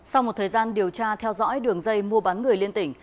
sau một thời gian điều tra theo dõi đường dây mua bán người liên tỉnh